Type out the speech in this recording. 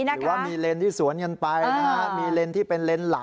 หรือว่ามีเลนที่สวนกันไปนะฮะมีเลนที่เป็นเลนส์หลัง